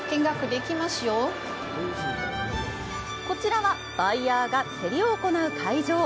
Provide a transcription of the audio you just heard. こちらはバイヤーが競りを行う会場。